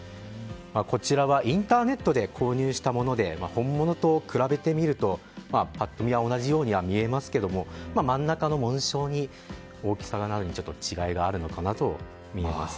こちらはインターネットで購入したもので本物と比べてみるとパッと見は同じように見えますが真ん中の紋章の大きさに違いがあるのかなと見えます。